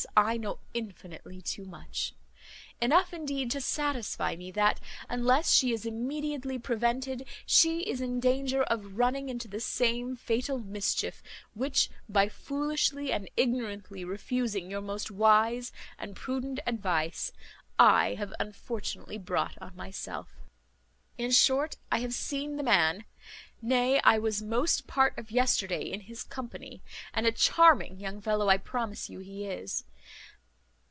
I know infinitely too much; enough indeed to satisfy me, that unless she is immediately prevented, she is in danger of running into the same fatal mischief, which, by foolishly and ignorantly refusing your most wise and prudent advice, I have unfortunately brought on myself. "In short, I have seen the man, nay, I was most part of yesterday in his company, and a charming young fellow I promise you he is.